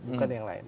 bukan yang lain